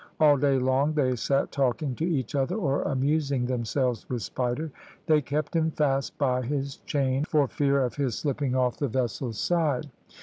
All day long they sat talking to each other, or amusing themselves with Spider. They kept him fast by his chain for fear of his slipping off the vessel's side.